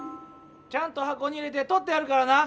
ちゃんとはこに入れてとってあるからな！